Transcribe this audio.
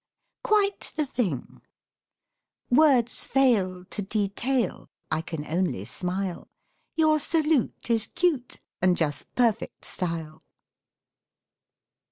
QUITE THE THING Words fail To detail, I can only smile. Your salute Is cute And just perfect style.